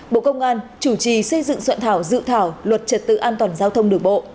bộ công an chủ trì xây dựng soạn thảo dự thảo luật trật tự an toàn giao thông đường bộ